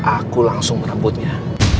aku langsung merebutnya